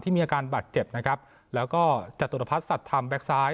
มีอาการบาดเจ็บนะครับแล้วก็จตุรพัฒนสัตว์ธรรมแก๊กซ้าย